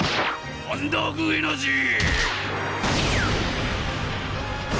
アンダーグ・エナジー！